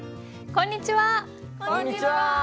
こんにちは！